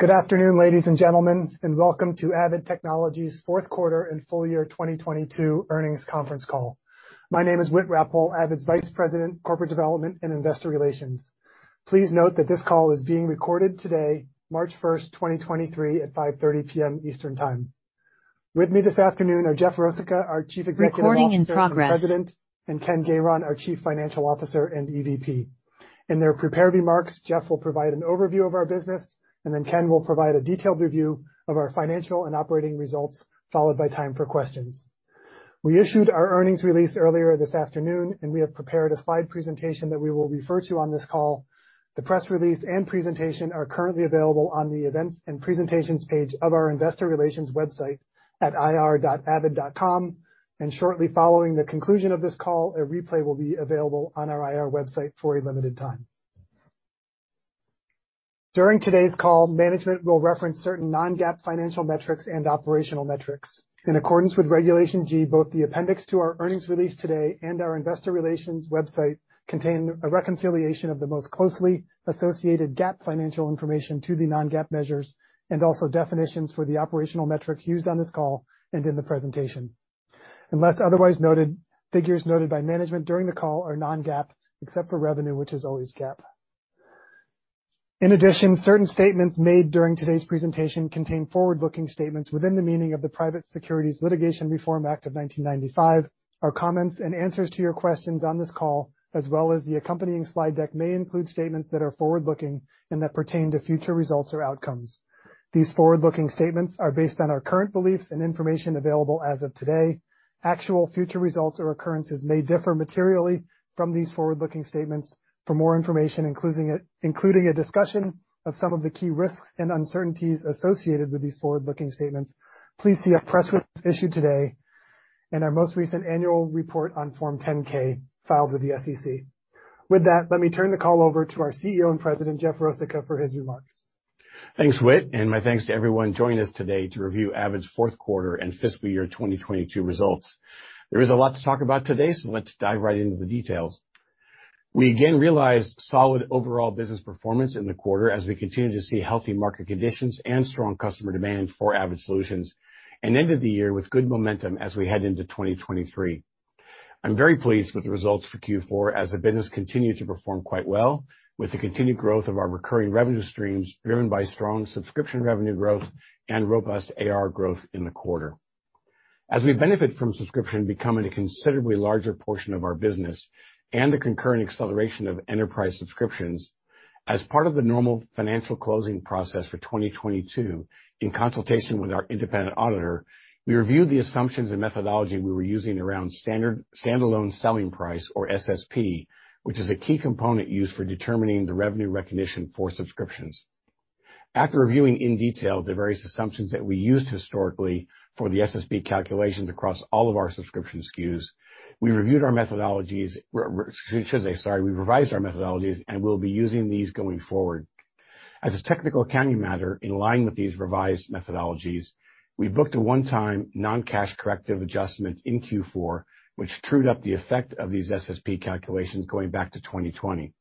Good afternoon, ladies and gentlemen, and welcome to Avid Technology's fourth quarter and full year 2022 earnings conference call. My name is Whit Rappole, Avid's Vice President, Corporate Development and Investor Relations. Please note that this call is being recorded today, March 1st, 2023 at 5:30 P.M. Eastern Time. With me this afternoon are Jeff Rosica, our Chief Executive Officer and President, and Ken Gayron, our Chief Financial Officer and EVP. In their prepared remarks, Jeff will provide an overview of our business, and then Ken will provide a detailed review of our financial and operating results, followed by time for questions. We issued our earnings release earlier this afternoon, and we have prepared a slide presentation that we will refer to on this call. The press release and presentation are currently available on the Events and Presentations page of our Investor Relations website at ir.avid.com. Shortly following the conclusion of this call, a replay will be available on our IR website for a limited time. During today's call, management will reference certain non-GAAP financial metrics and operational metrics. In accordance with Regulation G, both the appendix to our earnings release today and our investor relations website contain a reconciliation of the most closely associated GAAP financial information to the non-GAAP measures and also definitions for the operational metrics used on this call and in the presentation. Unless otherwise noted, figures noted by management during the call are non-GAAP, except for revenue, which is always GAAP. In addition, certain statements made during today's presentation contain forward-looking statements within the meaning of the Private Securities Litigation Reform Act of 1995. Our comments and answers to your questions on this call, as well as the accompanying slide deck, may include statements that are forward-looking and that pertain to future results or outcomes. These forward-looking statements are based on our current beliefs and information available as of today. Actual future results or occurrences may differ materially from these forward-looking statements. For more information, including a discussion of some of the key risks and uncertainties associated with these forward-looking statements, please see our press release issued today and our most recent annual report on Form 10-K filed with the SEC. With that, let me turn the call over to our CEO and President, Jeff Rosica, for his remarks. Thanks, Whit. My thanks to everyone joining us today to review Avid's fourth quarter and fiscal year 2022 results. There is a lot to talk about today, so let's dive right into the details. We again realized solid overall business performance in the quarter as we continue to see healthy market conditions and strong customer demand for Avid solutions, and ended the year with good momentum as we head into 2023. I'm very pleased with the results for Q4 as the business continued to perform quite well, with the continued growth of our recurring revenue streams driven by strong subscription revenue growth and robust ARR growth in the quarter. As we benefit from subscription becoming a considerably larger portion of our business and the concurrent acceleration of enterprise subscriptions, as part of the normal financial closing process for 2022, in consultation with our independent auditor, we reviewed the assumptions and methodology we were using around standalone selling price, or SSP, which is a key component used for determining the revenue recognition for subscriptions. After reviewing in detail the various assumptions that we used historically for the SSP calculations across all of our subscription SKUs, should say, sorry. We revised our methodologies, and we'll be using these going forward. As a technical accounting matter, in line with these revised methodologies, we booked a one-time non-cash corrective adjustment in Q4, which trued up the effect of these SSP calculations going back to 2020.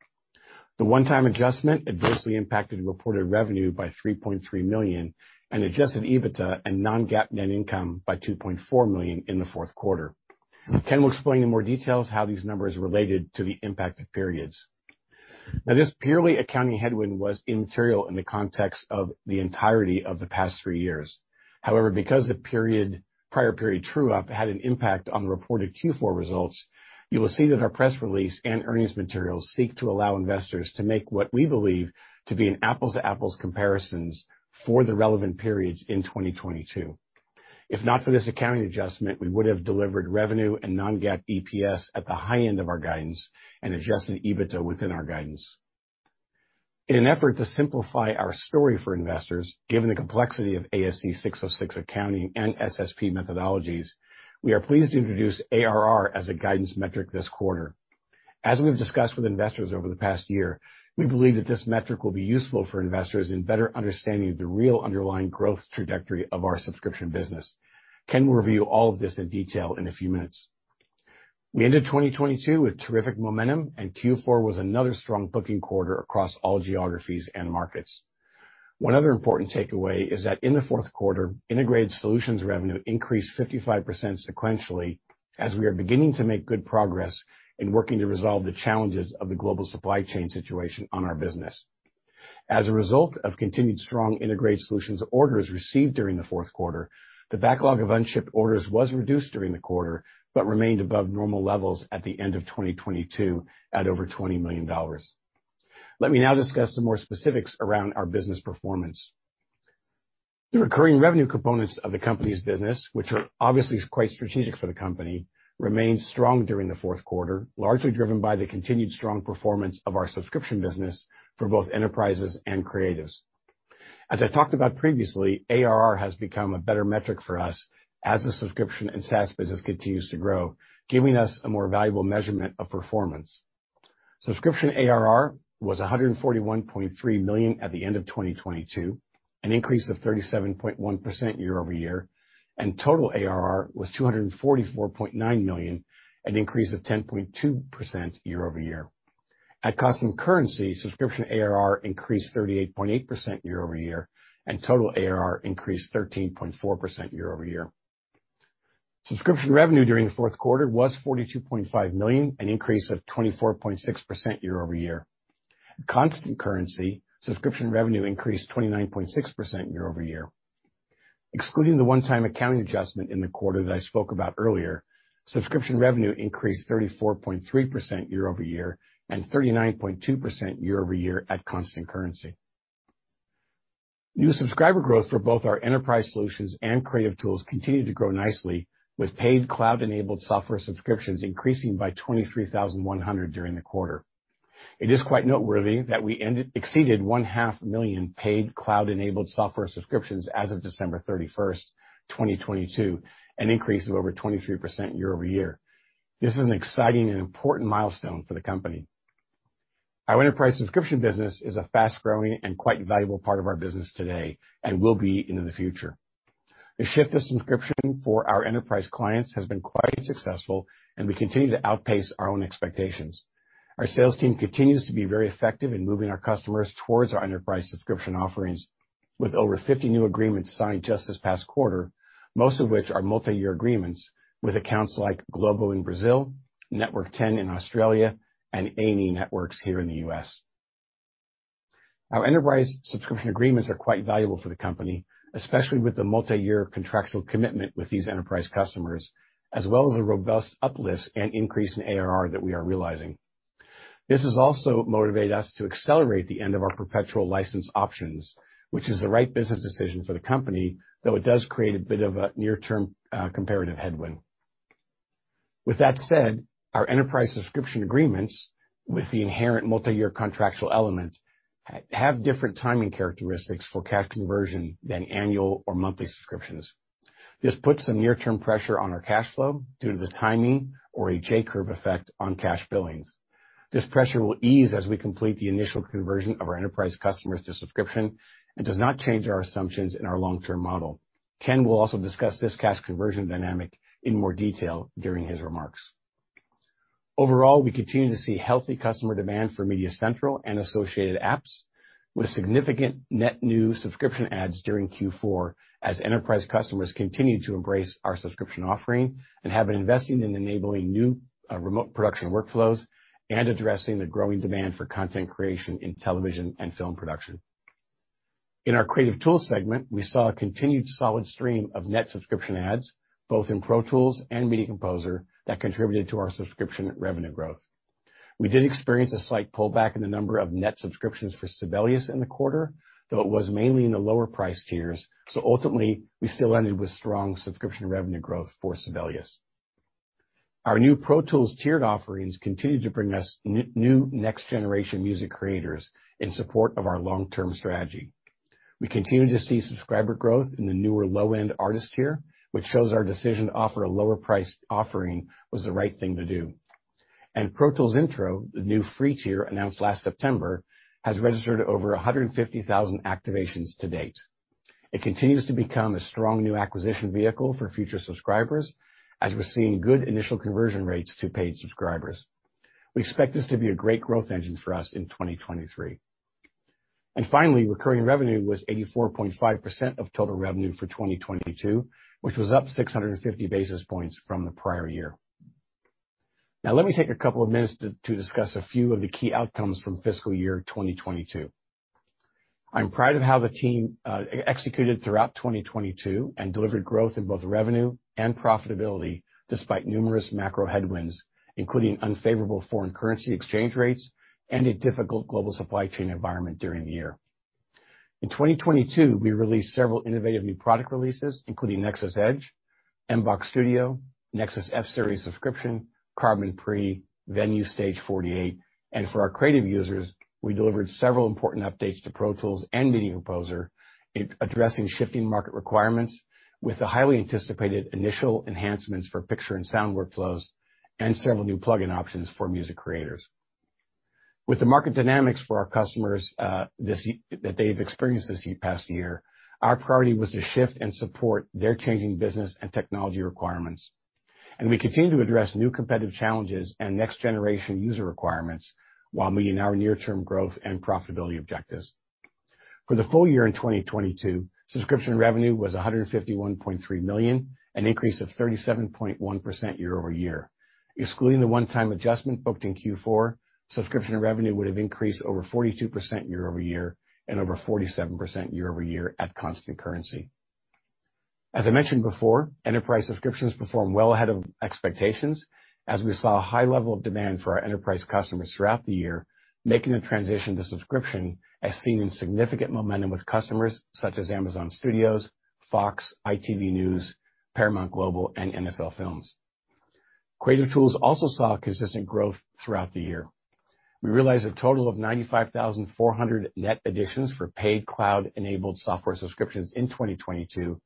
The one-time adjustment adversely impacted reported revenue by $3.3 million and Adjusted EBITDA and non-GAAP net income by $2.4 million in the fourth quarter. Ken will explain in more details how these numbers related to the impacted periods. Now, this purely accounting headwind was immaterial in the context of the entirety of the past three years. However, because the prior period true-up had an impact on the reported Q4 results, you will see that our press release and earnings materials seek to allow investors to make what we believe to be an apples-to-apples comparisons for the relevant periods in 2022. If not for this accounting adjustment, we would have delivered revenue and non-GAAP EPS at the high end of our guidance and Adjusted EBITDA within our guidance. In an effort to simplify our story for investors, given the complexity of ASC 606 accounting and SSP methodologies, we are pleased to introduce ARR as a guidance metric this quarter. As we've discussed with investors over the past year, we believe that this metric will be useful for investors in better understanding the real underlying growth trajectory of our subscription business. Ken will review all of this in detail in a few minutes. We ended 2022 with terrific momentum, and Q4 was another strong booking quarter across all geographies and markets. One other important takeaway is that in the fourth quarter, integrated solutions revenue increased 55% sequentially as we are beginning to make good progress in working to resolve the challenges of the global supply chain situation on our business. As a result of continued strong integrated solutions orders received during the fourth quarter, the backlog of unshipped orders was reduced during the quarter but remained above normal levels at the end of 2022 at over $20 million. Let me now discuss some more specifics around our business performance. The recurring revenue components of the company's business, which are obviously quite strategic for the company, remained strong during the fourth quarter, largely driven by the continued strong performance of our subscription business for both enterprises and creatives. As I talked about previously, ARR has become a better metric for us as the subscription and SaaS business continues to grow, giving us a more valuable measurement of performance. Subscription ARR was $141.3 million at the end of 2022, an increase of 37.1% year-over-year, and total ARR was $244.9 million, an increase of 10.2% year-over-year. At cost and currency, subscription ARR increased 38.8% year-over-year, and total ARR increased 13.4% year-over-year. Subscription revenue during the fourth quarter was $42.5 million, an increase of 24.6% year-over-year. At constant currency, subscription revenue increased 29.6% year-over-year. Excluding the one-time accounting adjustment in the quarter that I spoke about earlier, subscription revenue increased 34.3% year-over-year and 39.2% year-over-year at constant currency. New subscriber growth for both our enterprise solutions and creative tools continued to grow nicely, with paid cloud-enabled software subscriptions increasing by 23,100 during the quarter. It is quite noteworthy that we exceeded one-half million paid cloud-enabled software subscriptions as of December 31st, 2022, an increase of over 23% year-over-year. This is an exciting and important milestone for the company. Our enterprise subscription business is a fast-growing and quite valuable part of our business today and will be into the future. We continue to outpace our own expectations. Our sales team continues to be very effective in moving our customers towards our enterprise subscription offerings, with over 50 new agreements signed just this past quarter, most of which are multi-year agreements with accounts like Globo in Brazil, Network 10 in Australia, and A+E Networks here in the U.S. Our enterprise subscription agreements are quite valuable for the company, especially with the multi-year contractual commitment with these enterprise customers, as well as a robust uplifts and increase in ARR that we are realizing. This has also motivated us to accelerate the end of our perpetual license options, which is the right business decision for the company, though it does create a bit of a near-term comparative headwind. With that said, our enterprise subscription agreements with the inherent multi-year contractual elements have different timing characteristics for cash conversion than annual or monthly subscriptions. This puts some near-term pressure on our cash flow due to the timing or a J-curve effect on cash billings. This pressure will ease as we complete the initial conversion of our enterprise customers to subscription and does not change our assumptions in our long-term model. Ken will also discuss this cash conversion dynamic in more detail during his remarks. Overall, we continue to see healthy customer demand for MediaCentral and associated apps, with significant net new subscription adds during Q4 as enterprise customers continue to embrace our subscription offering and have been investing in enabling new remote production workflows and addressing the growing demand for content creation in television and film production. In our Creative Tool segment, we saw a continued solid stream of net subscription adds, both in Pro Tools and Media Composer, that contributed to our subscription revenue growth. We did experience a slight pullback in the number of net subscriptions for Sibelius in the quarter, though it was mainly in the lower price tiers, ultimately, we still ended with strong subscription revenue growth for Sibelius. Our new Pro Tools tiered offerings continue to bring us new next-generation music creators in support of our long-term strategy. We continue to see subscriber growth in the newer low-end Artist tier, which shows our decision to offer a lower priced offering was the right thing to do. Pro Tools Intro, the new free tier announced last September, has registered over 150,000 activations to date. It continues to become a strong new acquisition vehicle for future subscribers as we're seeing good initial conversion rates to paid subscribers. We expect this to be a great growth engine for us in 2023. Finally, recurring revenue was 84.5% of total revenue for 2022, which was up 650 basis points from the prior year. Let me take a couple of minutes to discuss a few of the key outcomes from fiscal year 2022. I'm proud of how the team executed throughout 2022 and delivered growth in both revenue and profitability despite numerous macro headwinds, including unfavorable foreign currency exchange rates and a difficult global supply chain environment during the year. In 2022, we released several innovative new product releases, including NEXIS | EDGE, MBOX Studio, NEXIS F-series subscription, Carbon Pre, VENUE | Stage 48. For our creative users, we delivered several important updates to Pro Tools and Media Composer, addressing shifting market requirements with the highly anticipated initial enhancements for picture and sound workflows and several new plugin options for music creators. With the market dynamics for our customers, that they've experienced this past year, our priority was to shift and support their changing business and technology requirements. We continue to address new competitive challenges and next-generation user requirements while meeting our near-term growth and profitability objectives. For the full year in 2022, subscription revenue was $151.3 million, an increase of 37.1% year-over-year. Excluding the one-time adjustment booked in Q4, subscription revenue would have increased over 42% year-over-year and over 47% year-over-year at constant currency. As I mentioned before, enterprise subscriptions performed well ahead of expectations as we saw a high level of demand for our enterprise customers throughout the year, making the transition to subscription as seen in significant momentum with customers such as Amazon Studios, Fox, ITV News, Paramount Global, and NFL Films. Creative Tools also saw consistent growth throughout the year. We realized a total of 95,400 net additions for paid cloud-enabled software subscriptions in 2022,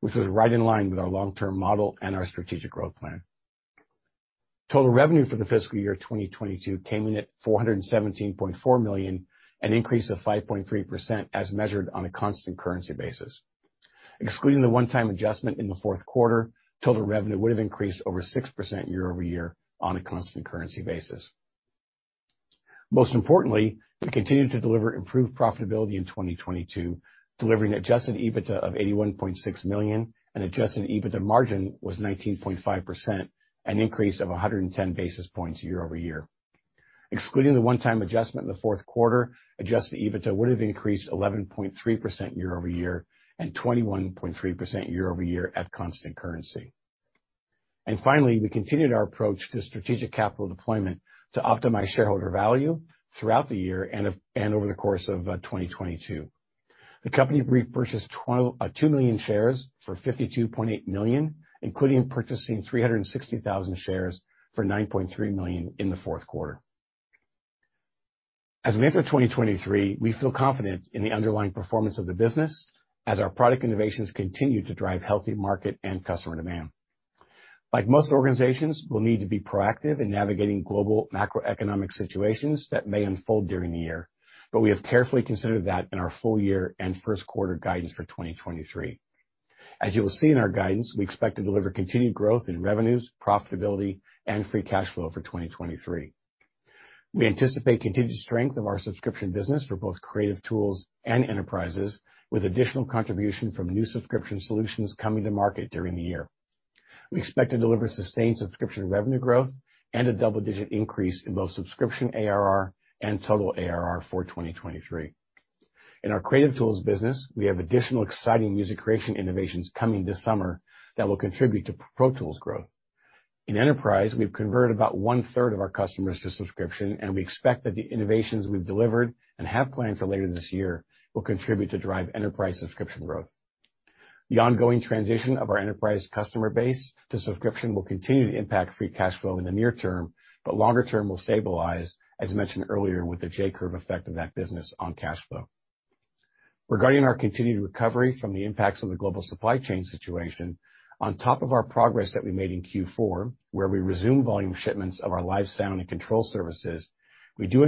which was right in line with our long-term model and our strategic growth plan. Total revenue for the fiscal year 2022 came in at $417.4 million, an increase of 5.3% as measured on a constant currency basis. Excluding the one-time adjustment in the fourth quarter, total revenue would have increased over 6% year-over-year on a constant currency basis. Most importantly, we continued to deliver improved profitability in 2022, delivering Adjusted EBITDA of $81.6 million and Adjusted EBITDA margin was 19.5%, an increase of 110 basis points year-over-year. Excluding the one-time adjustment in the fourth quarter, Adjusted EBITDA would have increased 11.3% year-over-year and 21.3% year-over-year at constant currency. Finally, we continued our approach to strategic capital deployment to optimize shareholder value throughout the year and over the course of 2022. The company repurchased 2 million shares for $52.8 million, including purchasing 360,000 shares for $9.3 million in the fourth quarter. As we enter 2023, we feel confident in the underlying performance of the business as our product innovations continue to drive healthy market and customer demand. Like most organizations, we'll need to be proactive in navigating global macroeconomic situations that may unfold during the year. We have carefully considered that in our full year and first quarter guidance for 2023. As you will see in our guidance, we expect to deliver continued growth in revenues, profitability, and free cash flow for 2023. We anticipate continued strength of our subscription business for both creative tools and enterprises, with additional contribution from new subscription solutions coming to market during the year. We expect to deliver sustained subscription revenue growth and a double-digit increase in both subscription ARR and total ARR for 2023. In our creative tools business, we have additional exciting music creation innovations coming this summer that will contribute to Pro Tools growth. In enterprise, we've converted about 1/3 of our customers to subscription, we expect that the innovations we've delivered and have planned for later this year will contribute to drive enterprise subscription growth. The ongoing transition of our enterprise customer base to subscription will continue to impact free cash flow in the near term, longer term will stabilize, as mentioned earlier, with the J-curve effect of that business on cash flow. Regarding our continued recovery from the impacts of the global supply chain situation, on top of our progress that we made in Q4, where we resumed volume shipments of our live sound and control services, we do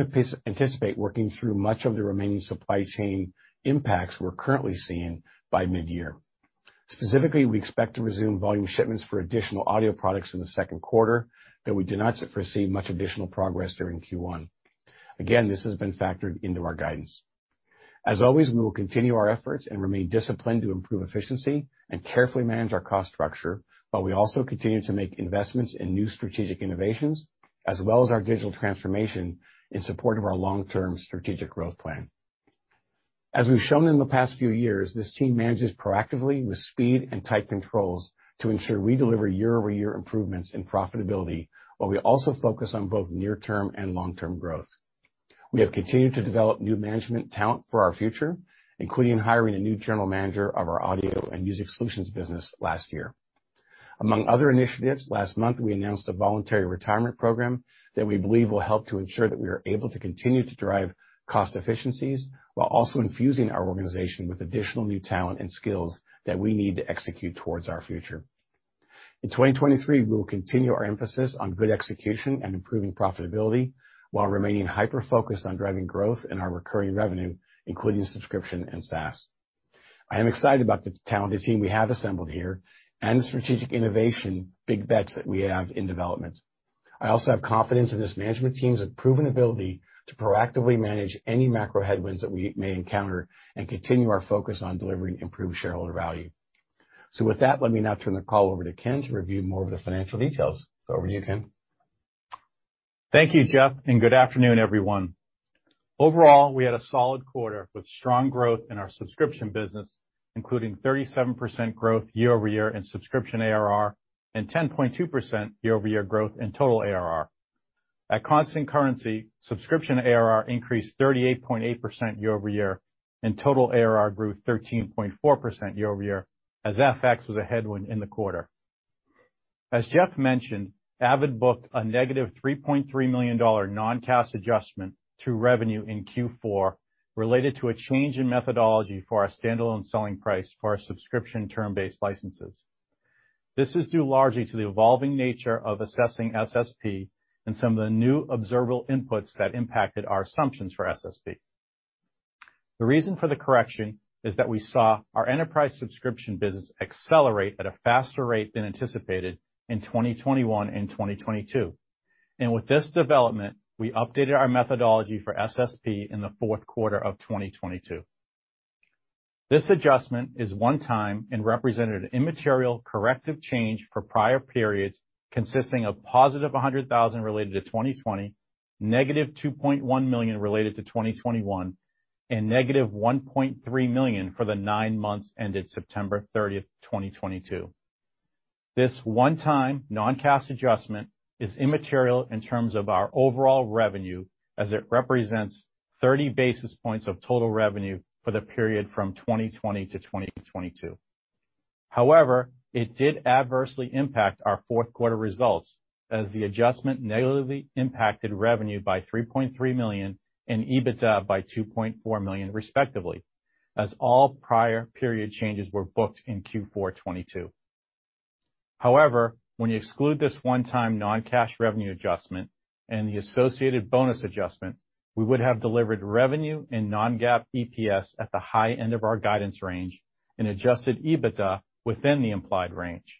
anticipate working through much of the remaining supply chain impacts we're currently seeing by mid-year. Specifically, we expect to resume volume shipments for additional audio products in the second quarter, though we do not perceive much additional progress during Q1. This has been factored into our guidance. As always, we will continue our efforts and remain disciplined to improve efficiency and carefully manage our cost structure, while we also continue to make investments in new strategic innovations as well as our digital transformation in support of our long-term strategic growth plan. As we've shown in the past few years, this team manages proactively with speed and tight controls to ensure we deliver year-over-year improvements in profitability, while we also focus on both near-term and long-term growth. We have continued to develop new management talent for our future, including hiring a new general manager of our audio and music solutions business last year. Among other initiatives, last month, we announced a voluntary retirement program that we believe will help to ensure that we are able to continue to drive cost efficiencies while also infusing our organization with additional new talent and skills that we need to execute towards our future. In 2023, we will continue our emphasis on good execution and improving profitability while remaining hyper-focused on driving growth in our recurring revenue, including subscription and SaaS. I am excited about the talented team we have assembled here and the strategic innovation big bets that we have in development. I also have confidence in this management team's proven ability to proactively manage any macro headwinds that we may encounter and continue our focus on delivering improved shareholder value. With that, let me now turn the call over to Ken to review more of the financial details. Over to you, Ken. Thank you, Jeff, and good afternoon, everyone. Overall, we had a solid quarter with strong growth in our subscription business, including 37% growth year-over-year in subscription ARR and 10.2% year-over-year growth in total ARR. At constant currency, subscription ARR increased 38.8% year-over-year and total ARR grew 13.4% year-over-year as FX was a headwind in the quarter. As Jeff mentioned, Avid booked a -$3.3 million non-cash adjustment to revenue in Q4 related to a change in methodology for our standalone selling price for our subscription term-based licenses. This is due largely to the evolving nature of assessing SSP and some of the new observable inputs that impacted our assumptions for SSP. The reason for the correction is that we saw our enterprise subscription business accelerate at a faster rate than anticipated in 2021 and 2022. With this development, we updated our methodology for SSP in the fourth quarter of 2022. This adjustment is one-time and represented an immaterial corrective change for prior periods consisting of positive $100,000 related to 2020, negative $2.1 million related to 2021, and negative $1.3 million for the nine months ended September 30th, 2022. This one-time non-cash adjustment is immaterial in terms of our overall revenue, as it represents 30 basis points of total revenue for the period from 2020 to 2022. It did adversely impact our fourth quarter results, as the adjustment negatively impacted revenue by $3.3 million and EBITDA by $2.4 million, respectively, as all prior period changes were booked in Q4 2022. When you exclude this one-time non-cash revenue adjustment and the associated bonus adjustment, we would have delivered revenue and non-GAAP EPS at the high end of our guidance range and Adjusted EBITDA within the implied range.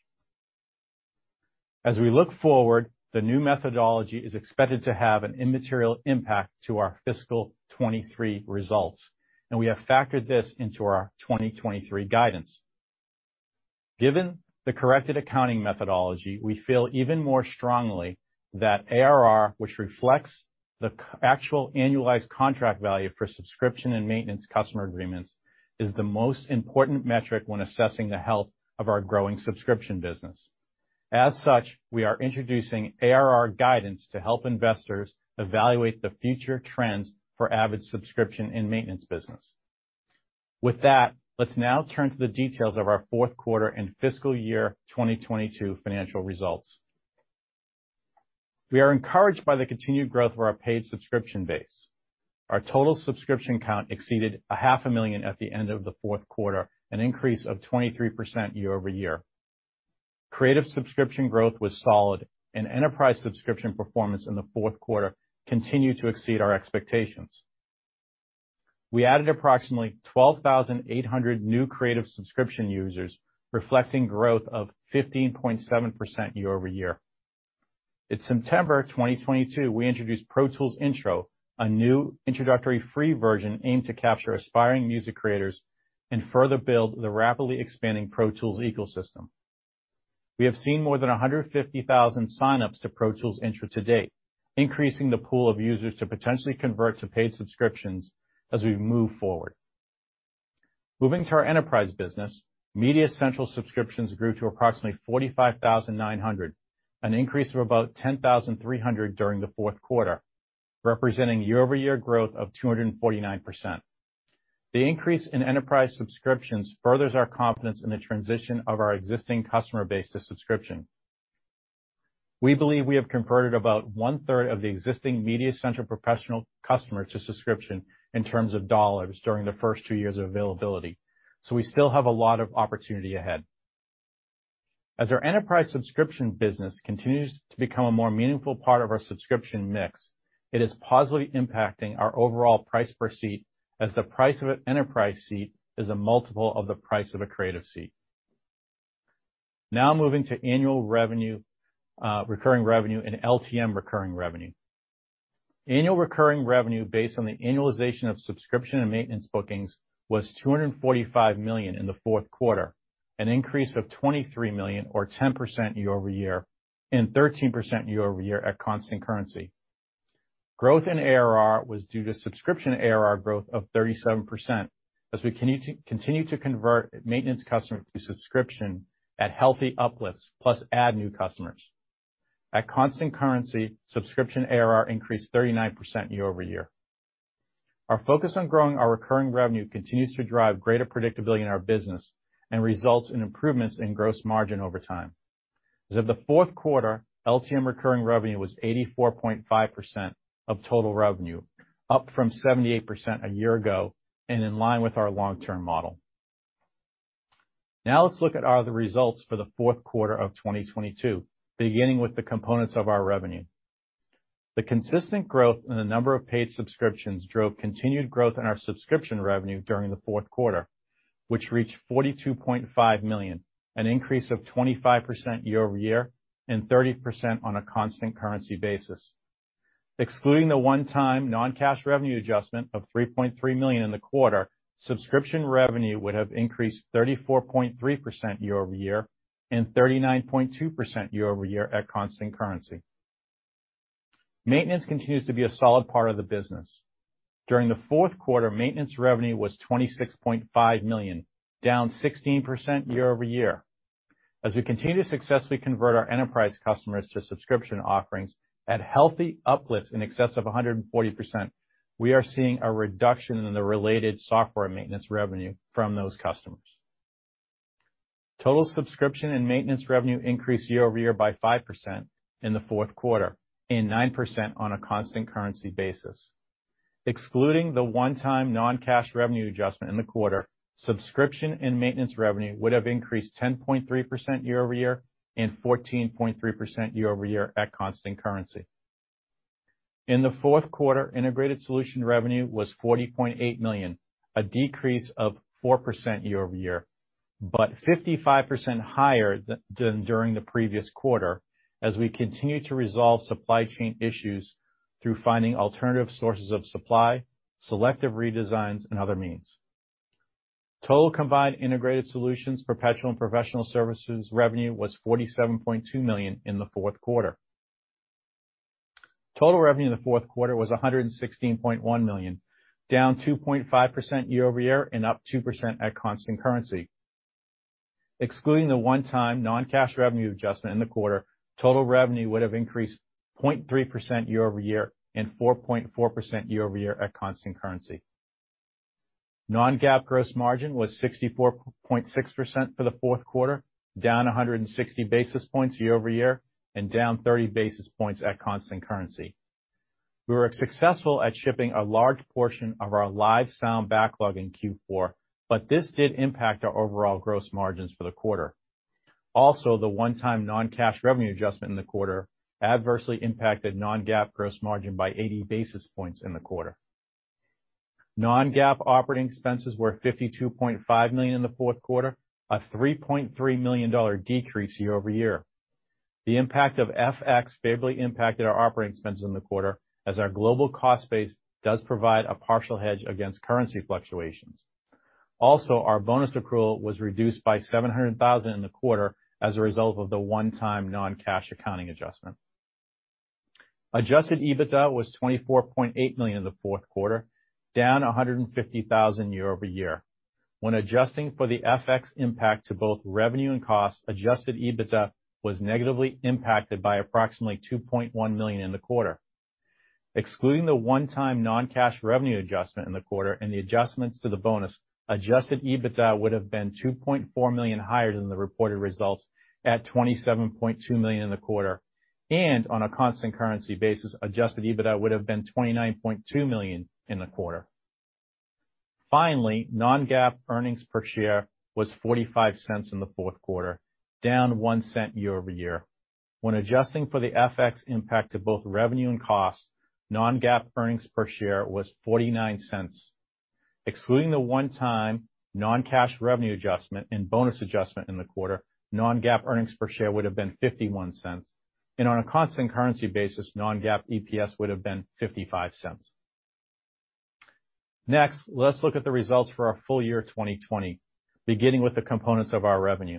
We look forward, the new methodology is expected to have an immaterial impact to our fiscal 2023 results, and we have factored this into our 2023 guidance. Given the corrected accounting methodology, we feel even more strongly that ARR, which reflects the actual annualized contract value for subscription and maintenance customer agreements, is the most important metric when assessing the health of our growing subscription business. We are introducing ARR guidance to help investors evaluate the future trends for Avid's subscription and maintenance business. Let's now turn to the details of our fourth quarter and fiscal year 2022 financial results. We are encouraged by the continued growth of our paid subscription base. Our total subscription count exceeded a half a million at the end of the fourth quarter, an increase of 23% year-over-year. Creative subscription growth was solid, enterprise subscription performance in the fourth quarter continued to exceed our expectations. We added approximately 12,800 new creative subscription users, reflecting growth of 15.7% year-over-year. In September 2022, we introduced Pro Tools Intro, a new introductory free version aimed to capture aspiring music creators and further build the rapidly expanding Pro Tools ecosystem. We have seen more than 150,000 sign-ups to Pro Tools Intro to date, increasing the pool of users to potentially convert to paid subscriptions as we move forward. Moving to our enterprise business, MediaCentral subscriptions grew to approximately 45,900, an increase of about 10,300 during the fourth quarter, representing year-over-year growth of 249%. The increase in enterprise subscriptions furthers our confidence in the transition of our existing customer base to subscription. We believe we have converted about one-third of the existing MediaCentral professional customers to subscription in terms of dollars during the first two years of availability, we still have a lot of opportunity ahead. As our enterprise subscription business continues to become a more meaningful part of our subscription mix, it is positively impacting our overall price per seat, as the price of an enterprise seat is a multiple of the price of a creative seat. Moving to annual revenue, recurring revenue and LTM recurring revenue. Annual Recurring Revenue based on the annualization of subscription and maintenance bookings was $245 million in the fourth quarter, an increase of $23 million or 10% year-over-year, and 13% year-over-year at constant currency. Growth in ARR was due to subscription ARR growth of 37% as we continue to convert maintenance customers to subscription at healthy uplifts, plus add new customers. At constant currency, subscription ARR increased 39% year-over-year. Our focus on growing our recurring revenue continues to drive greater predictability in our business and results in improvements in gross margin over time. As of the fourth quarter, LTM recurring revenue was 84.5% of total revenue, up from 78% a year ago and in line with our long-term model. Let's look at all the results for the fourth quarter of 2022, beginning with the components of our revenue. The consistent growth in the number of paid subscriptions drove continued growth in our subscription revenue during the fourth quarter, which reached $42.5 million, an increase of 25% year-over-year and 30% on a constant currency basis. Excluding the one-time non-cash revenue adjustment of $3.3 million in the quarter, subscription revenue would have increased 34.3% year-over-year and 39.2% year-over-year at constant currency. Maintenance continues to be a solid part of the business. During the fourth quarter, maintenance revenue was $26.5 million, down 16% year-over-year. As we continue to successfully convert our enterprise customers to subscription offerings at healthy uplifts in excess of 140%, we are seeing a reduction in the related software maintenance revenue from those customers. Total subscription and maintenance revenue increased year-over-year by 5% in the fourth quarter and 9% on a constant currency basis. Excluding the one-time non-cash revenue adjustment in the quarter, subscription and maintenance revenue would have increased 10.3% year-over-year and 14.3% year-over-year at constant currency. In the fourth quarter, integrated solution revenue was $40.8 million, a decrease of 4% year-over-year, but 55% higher than during the previous quarter as we continue to resolve supply chain issues through finding alternative sources of supply, selective redesigns, and other means. Total combined integrated solutions, perpetual and professional services revenue was $47.2 million in the fourth quarter. Total revenue in the fourth quarter was $116.1 million, down 2.5% year-over-year and up 2% at constant currency. Excluding the one-time non-cash revenue adjustment in the quarter, total revenue would have increased 0.3% year-over-year and 4.4% year-over-year at constant currency. Non-GAAP gross margin was 64.6% for the fourth quarter, down 160 basis points year-over-year and down 30 basis points at constant currency. We were successful at shipping a large portion of our live sound backlog in Q4, but this did impact our overall gross margins for the quarter. Also, the one-time non-cash revenue adjustment in the quarter adversely impacted non-GAAP gross margin by 80 basis points in the quarter. Non-GAAP operating expenses were $52.5 million in the fourth quarter, a $3.3 million decrease year-over-year. The impact of FX favorably impacted our operating expenses in the quarter, as our global cost base does provide a partial hedge against currency fluctuations. Also, our bonus accrual was reduced by $700,000 in the quarter as a result of the one-time non-cash accounting adjustment. Adjusted EBITDA was $24.8 million in the fourth quarter, down $150,000 year-over-year. When adjusting for the FX impact to both revenue and cost, Adjusted EBITDA was negatively impacted by approximately $2.1 million in the quarter. Excluding the one-time non-cash revenue adjustment in the quarter and the adjustments to the bonus, Adjusted EBITDA would have been $2.4 million higher than the reported results at $27.2 million in the quarter. On a constant currency basis, Adjusted EBITDA would have been $29.2 million in the quarter. Finally, non-GAAP earnings per share was $0.45 in the fourth quarter, down $0.01 year-over-year. When adjusting for the FX impact to both revenue and cost, non-GAAP earnings per share was $0.49. Excluding the one-time non-cash revenue adjustment and bonus adjustment in the quarter, non-GAAP earnings per share would have been $0.51. On a constant currency basis, non-GAAP EPS would have been $0.55. Next, let's look at the results for our full year 2020, beginning with the components of our revenue.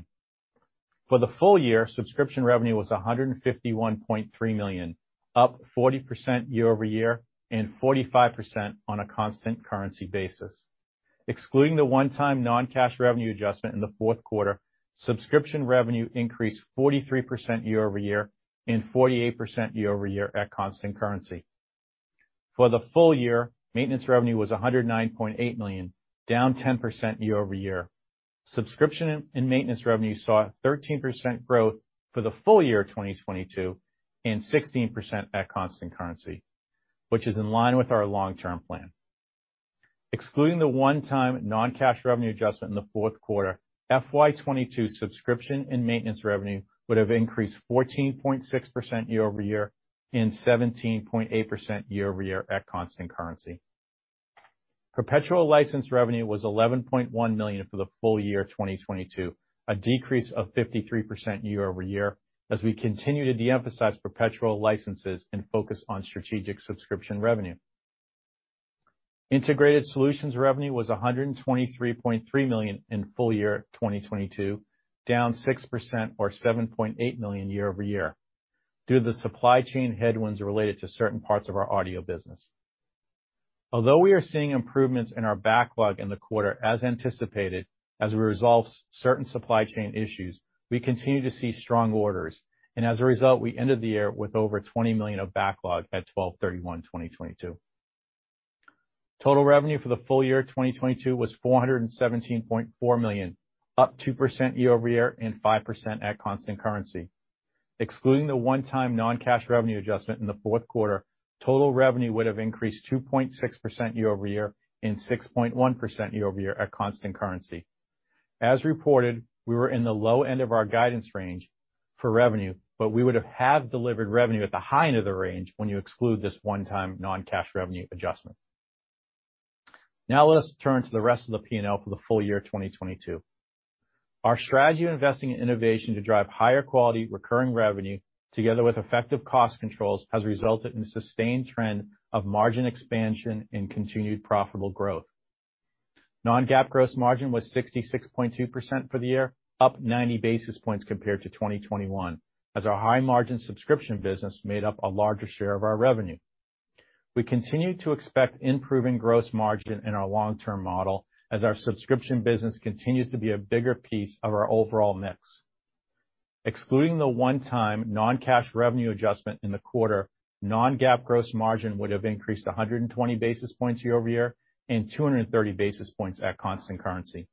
For the full year, subscription revenue was $151.3 million, up 40% year-over-year and 45% on a constant currency basis. Excluding the one-time non-cash revenue adjustment in the fourth quarter, subscription revenue increased 43% year-over-year and 48% year-over-year at constant currency. For the full year, maintenance revenue was $109.8 million, down 10% year-over-year. Subscription and maintenance revenue saw a 13% growth for the full year of 2022, and 16% at constant currency, which is in line with our long-term plan. Excluding the one-time non-cash revenue adjustment in the fourth quarter, FY22 subscription and maintenance revenue would have increased 14.6% year-over-year and 17.8% year-over-year at constant currency. Perpetual license revenue was $11.1 million for the full year 2022, a decrease of 53% year-over-year, as we continue to de-emphasize perpetual licenses and focus on strategic subscription revenue. Integrated solutions revenue was $123.3 million in full year 2022, down 6% or $7.8 million year-over-year due to the supply chain headwinds related to certain parts of our audio business. Although we are seeing improvements in our backlog in the quarter as anticipated, as we resolve certain supply chain issues, we continue to see strong orders. As a result, we ended the year with over $20 million of backlog at 12/31/2022. Total revenue for the full year 2022 was $417.4 million, up 2% year-over-year and 5% at constant currency. Excluding the one-time non-cash revenue adjustment in the fourth quarter, total revenue would have increased 2.6% year-over-year and 6.1% year-over-year at constant currency. As reported, we were in the low end of our guidance range for revenue, we would have had delivered revenue at the high end of the range when you exclude this one-time non-cash revenue adjustment. Let's turn to the rest of the P&L for the full year 2022. Our strategy of investing in innovation to drive higher quality recurring revenue, together with effective cost controls, has resulted in a sustained trend of margin expansion and continued profitable growth. Non-GAAP gross margin was 66.2% for the year, up 90 basis points compared to 2021, as our high margin subscription business made up a larger share of our revenue. We continue to expect improving gross margin in our long-term model as our subscription business continues to be a bigger piece of our overall mix. Excluding the one-time non-cash revenue adjustment in the quarter, non-GAAP gross margin would have increased 120 basis points year-over-year and 230 basis points at constant currency.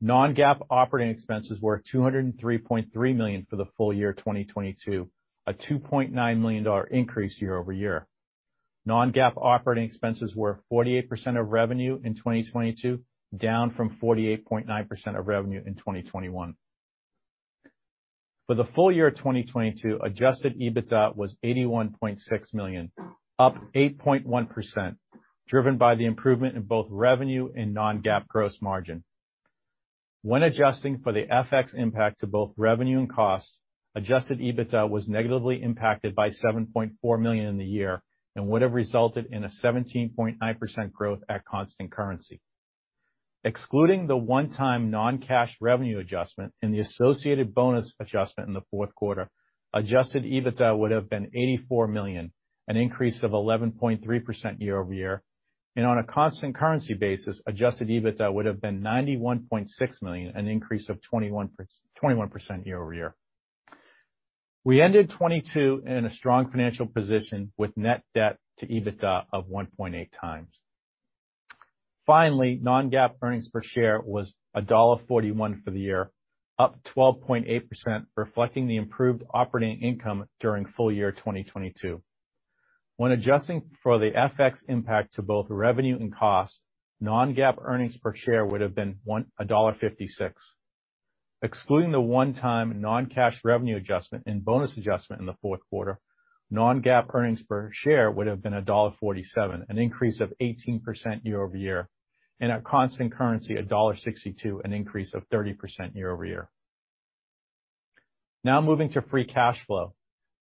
Non-GAAP operating expenses were $203.3 million for the full year 2022, a $2.9 million increase year-over-year. Non-GAAP operating expenses were 48% of revenue in 2022, down from 48.9% of revenue in 2021. For the full year 2022, Adjusted EBITDA was $81.6 million, up 8.1%, driven by the improvement in both revenue and non-GAAP gross margin. When adjusting for the FX impact to both revenue and costs, Adjusted EBITDA was negatively impacted by $7.4 million in the year and would have resulted in a 17.9% growth at constant currency. Excluding the one-time non-cash revenue adjustment and the associated bonus adjustment in the fourth quarter, Adjusted EBITDA would have been $84 million, an increase of 11.3% year-over-year. On a constant currency basis, Adjusted EBITDA would have been $91.6 million, an increase of 21% year-over-year. We ended 2022 in a strong financial position with net debt to EBITDA of 1.8 times. Finally, non-GAAP earnings per share was $1.41 for the year, up 12.8%, reflecting the improved operating income during full year 2022. When adjusting for the FX impact to both revenue and cost, non-GAAP earnings per share would have been $1.56. Excluding the one-time non-cash revenue adjustment and bonus adjustment in the fourth quarter, non-GAAP earnings per share would have been $1.47, an increase of 18% year-over-year, and at constant currency, $1.62, an increase of 30% year-over-year. Moving to free cash flow.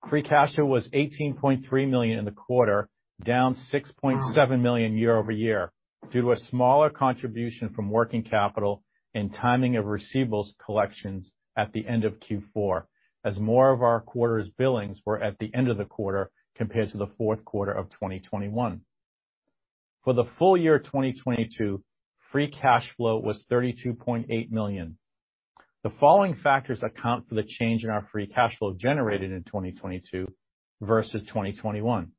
Free cash flow was $18.3 million in the quarter, down $6.7 million year-over-year due to a smaller contribution from working capital and timing of receivables collections at the end of Q4, as more of our quarter's billings were at the end of the quarter compared to the fourth quarter of 2021. For the full year 2022, free cash flow was $32.8 million. The following factors account for the change in our free cash flow generated in 2022 versus 2021.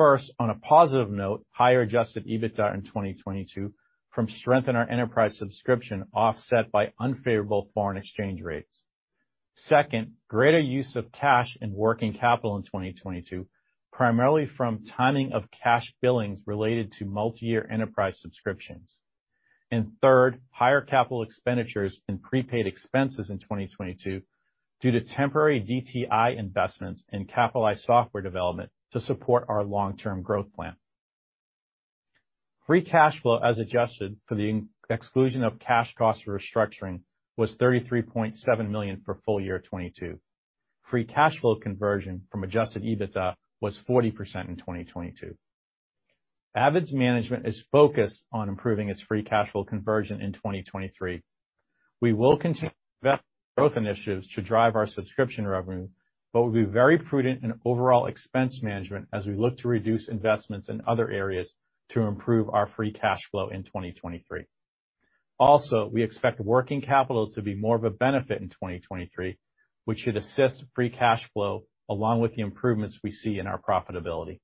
On a positive note, higher Adjusted EBITDA in 2022 from strength in our enterprise subscription offset by unfavorable foreign exchange rates. Greater use of cash and working capital in 2022, primarily from timing of cash billings related to multi-year enterprise subscriptions. Third, higher capital expenditures and prepaid expenses in 2022 due to temporary DTL investments in capitalized software development to support our long-term growth plan. Free cash flow, as adjusted for the exclusion of cash costs for restructuring, was $33.7 million for full year 2022. Free cash flow conversion from Adjusted EBITDA was 40% in 2022. Avid's management is focused on improving its free cash flow conversion in 2023. We will continue to invest in growth initiatives to drive our subscription revenue, but we'll be very prudent in overall expense management as we look to reduce investments in other areas to improve our free cash flow in 2023. We expect working capital to be more of a benefit in 2023, which should assist free cash flow along with the improvements we see in our profitability.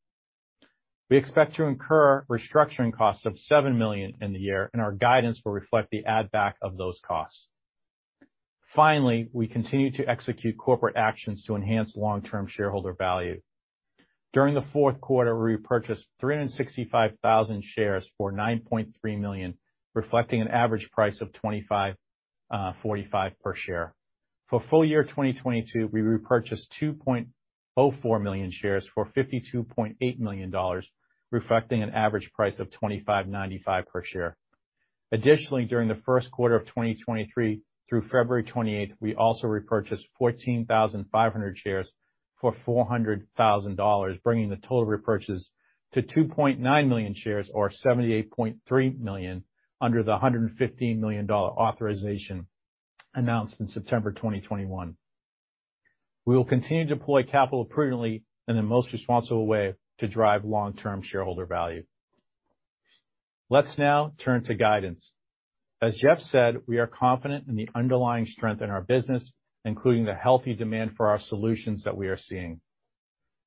We expect to incur restructuring costs of $7 million in the year, our guidance will reflect the add back of those costs. We continue to execute corporate actions to enhance long-term shareholder value. During the fourth quarter, we repurchased 365,000 shares for $9.3 million, reflecting an average price of $25.45 per share. For full year 2022, we repurchased 2.04 million shares for $52.8 million, reflecting an average price of $25.95 per share. Additionally, during the first quarter of 2023 through February 28th, we also repurchased 14,500 shares for $400,000, bringing the total repurchases to 2.9 million shares or $78.3 million under the $115 million authorization announced in September 2021. We will continue to deploy capital prudently in the most responsible way to drive long-term shareholder value. Let's now turn to guidance. As Jeff said, we are confident in the underlying strength in our business, including the healthy demand for our solutions that we are seeing.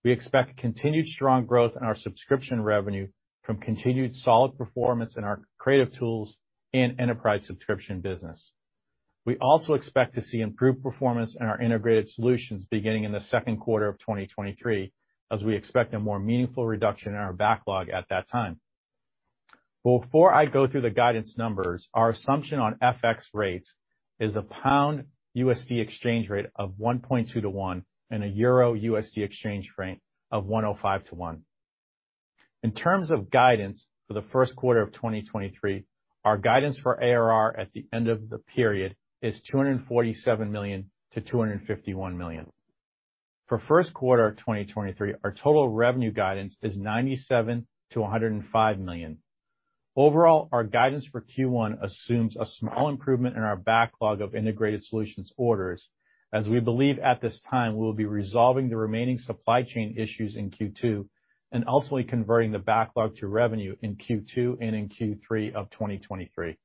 We expect continued strong growth in our subscription revenue from continued solid performance in our creative tools and enterprise subscription business. We also expect to see improved performance in our integrated solutions beginning in the second quarter of 2023, as we expect a more meaningful reduction in our backlog at that time. Before I go through the guidance numbers, our assumption on FX rates is a pound USD exchange rate of 1.2 to 1 and a euro USD exchange rate of 1.05 to 1. In terms of guidance for the first quarter of 2023, our guidance for ARR at the end of the period is $247 million-$251 million. For first quarter of 2023, our total revenue guidance is $97 million-$105 million. Overall, our guidance for Q1 assumes a small improvement in our backlog of integrated solutions orders, as we believe at this time we'll be resolving the remaining supply chain issues in Q2 and ultimately converting the backlog to revenue in Q2 and in Q3 of 2023.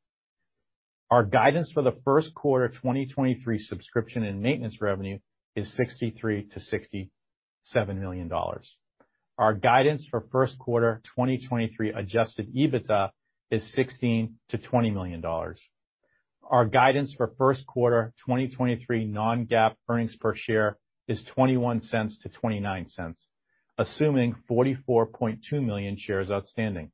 Our guidance for the first quarter of 2023 subscription and maintenance revenue is $63 million-$67 million. Our guidance for first quarter 2023 Adjusted EBITDA is $16 million-$20 million. Our guidance for first quarter 2023 non-GAAP earnings per share is $0.21-$0.29, assuming 44.2 million shares outstanding.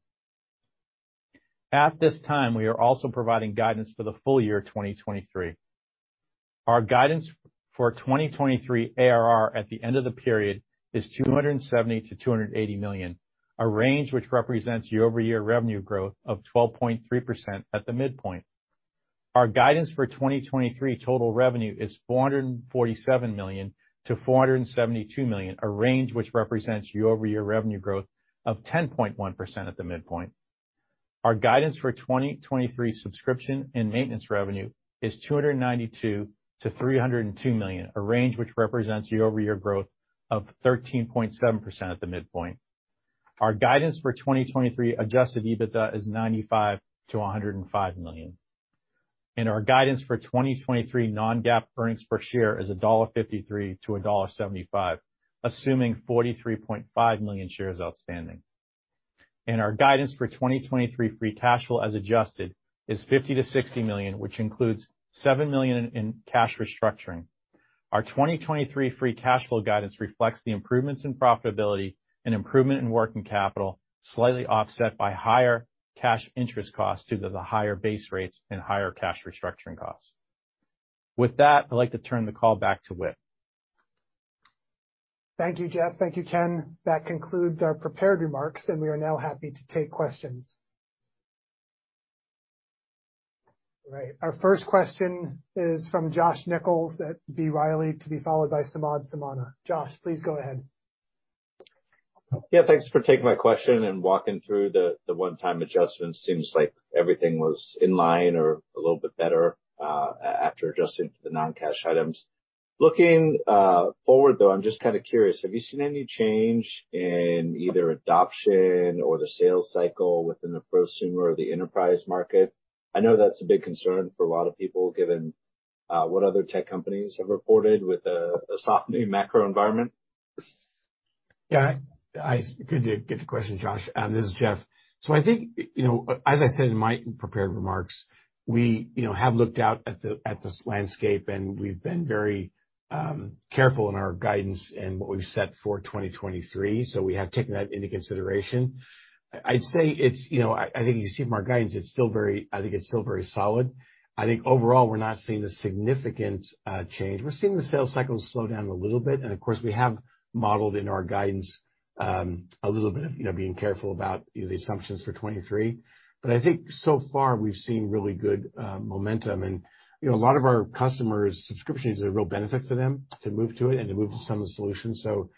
At this time, we are also providing guidance for the full year 2023. Our guidance for 2023 ARR at the end of the period is $270 million-$280 million, a range which represents year-over-year revenue growth of 12.3% at the midpoint. Our guidance for 2023 total revenue is $447 million-$472 million, a range which represents year-over-year revenue growth of 10.1% at the midpoint. Our guidance for 2023 subscription and maintenance revenue is $292 million-$302 million, a range which represents year-over-year growth of 13.7% at the midpoint. Our guidance for 2023 Adjusted EBITDA is $95 million-$105 million. Our guidance for 2023 non-GAAP earnings per share is $1.53 to $1.75, assuming 43.5 million shares outstanding. Our guidance for 2023 free cash flow, as adjusted, is $50 million-$60 million, which includes $7 million in cash restructuring. Our 2023 free cash flow guidance reflects the improvements in profitability and improvement in working capital, slightly offset by higher cash interest costs due to the higher base rates and higher cash restructuring costs. With that, I'd like to turn the call back to Whit. Thank you, Jeff. Thank you, Ken. That concludes our prepared remarks, and we are now happy to take questions. All right, our first question is from Josh Nichols at B. Riley, to be followed by Samad Samana. Josh, please go ahead. Thanks for taking my question and walking through the one-time adjustments. Seems like everything was in line or a little bit better after adjusting for the non-cash items. Looking forward, though, I'm just kind of curious, have you seen any change in either adoption or the sales cycle within the prosumer or the enterprise market? I know that's a big concern for a lot of people, given what other tech companies have reported with a softening macro environment? Yeah, good question, Josh. This is Jeff. I think, you know, as I said in my prepared remarks, we, you know, have looked out at this landscape, and we've been very careful in our guidance and what we've set for 2023. We have taken that into consideration. I'd say it's, you know, I think you see from our guidance, I think it's still very solid. I think overall, we're not seeing a significant change. We're seeing the sales cycle slow down a little bit, and of course, we have modeled in our guidance a little bit of, you know, being careful about the assumptions for 2023. I think so far, we've seen really good momentum. You know, a lot of our customers, subscription is a real benefit for them to move to it and to move to some of the solutions. You know,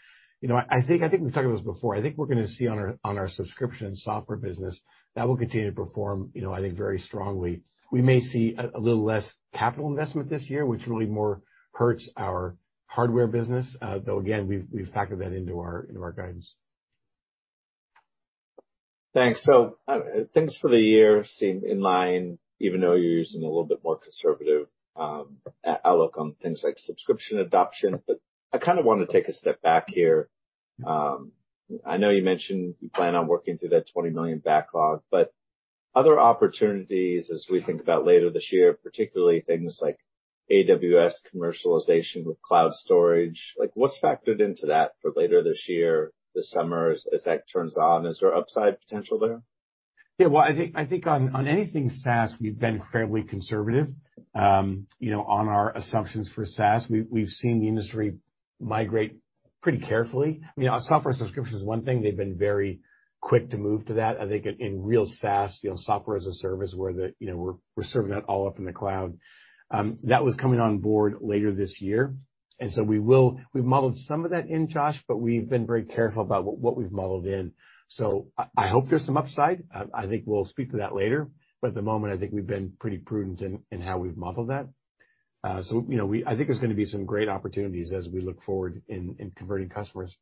I think, I think we've talked about this before. I think we're gonna see on our subscription software business, that will continue to perform, you know, I think very strongly. We may see a little less capital investment this year, which really more hurts our hardware business. Though again, we've factored that into our guidance. Thanks. Things for the year seem in line, even though you're using a little bit more conservative outlook on things like subscription adoption. I kind of want to take a step back here. I know you mentioned you plan on working through that $20 million backlog, but other opportunities as we think about later this year, particularly things like AWS commercialization with cloud storage, like what's factored into that for later this year, this summer, as that turns on? Is there upside potential there? Yeah. Well, I think, I think on anything SaaS, we've been fairly conservative, you know, on our assumptions for SaaS. We've seen the industry migrate pretty carefully. You know, software subscription is one thing. They've been very quick to move to that. I think in real SaaS, you know, software as a service, where the, you know, we're serving that all up in the cloud, that was coming on board later this year. We've modeled some of that in, Josh, but we've been very careful about what we've modeled in. I hope there's some upside. I think we'll speak to that later, but at the moment, I think we've been pretty prudent in how we've modeled that. You know, I think there's gonna be some great opportunities as we look forward in converting customers.